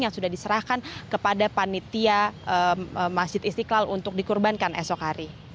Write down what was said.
yang sudah diserahkan kepada panitia masjid istiqlal untuk dikurbankan esok hari